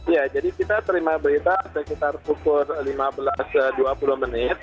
ya jadi kita terima berita sekitar pukul lima belas dua puluh menit